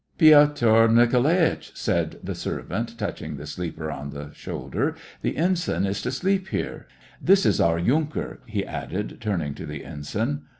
" Piotr Nikolaitch !" said the servant, touching the sleeper on the shoulder. " The ensign is to sleep here. ... This is our yunker," he add ed, turning to the ensign.